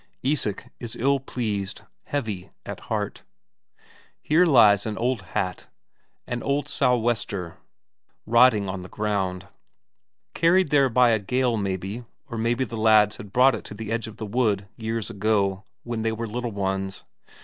Isak is ill pleased, heavy at heart. Here lies an old hat, an old sou'wester, rotting on the ground. Carried there by the gale, maybe, or maybe the lads had brought it there to the edge of the wood years ago, when they were little ones.